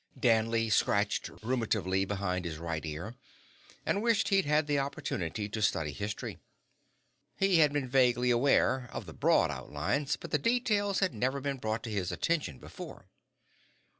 Danley scratched ruminatively behind his right ear and wished he'd had the opportunity to study history. He had been vaguely aware, of the broad outlines, but the details had never been brought to his attention before.